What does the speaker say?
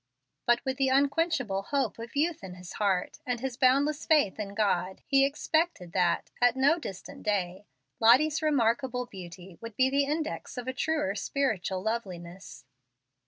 But with the unquenchable hope of youth in his heart, and his boundless faith in God, he expected that, at no distant day, Lottie's remarkable beauty would be the index of a truer spiritual loveliness.